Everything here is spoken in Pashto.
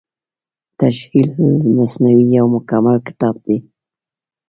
تشعيل المثنوي يو مکمل کتاب دی